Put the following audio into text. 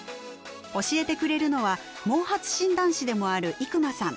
教えてくれるのは毛髪診断士でもある伊熊さん。